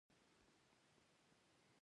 مس عینک یو لوی بودايي ښار و